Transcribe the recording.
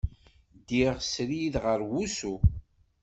Ddiɣ srid ɣer wusu.